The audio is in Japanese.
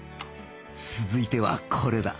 続いてはこれだ